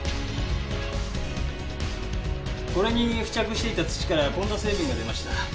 これに付着していた土からこんな成分が出ました。